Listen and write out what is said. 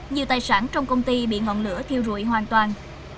nhiều tài sản trong công ty bị ngọn lửa thiêu rụi hoàn toàn